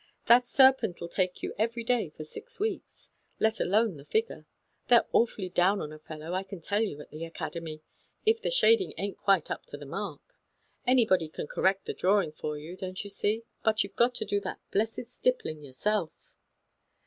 " That serpent'll take you every day of six weeks, let alone the figure. They're awfully down on a fellow, I can tell you, at the Academy, if the shading aint quite up to the mark. Anybody can cor rect the drawing for you, don't you see, but you've got to do that blessed stippling yerself